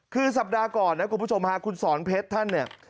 คือสัปดาห์ก่อนนะคุณผู้ชมฮะคุณสอนเพชรท่านเนี่ย